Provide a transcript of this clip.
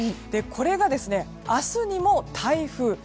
これが明日にも台風。